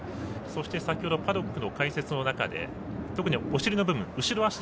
先ほどパドックの解説の中で特にお尻の部分、後ろ脚